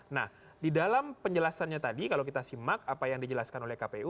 nah di dalam penjelasannya tadi kalau kita simak apa yang dijelaskan oleh kpu